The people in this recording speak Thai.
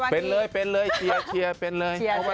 เป็นเลยเป็นเลยเชียร์เป็นเลย